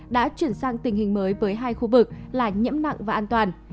đã chuyển sang tình hình mới với hai khu vực là nhiễm nặng và an toàn